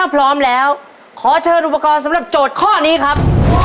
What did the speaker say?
พร้อมแล้วขอเชิญอุปกรณ์สำหรับโจทย์ข้อนี้ครับ